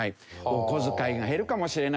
お小遣いが減るかもしれない。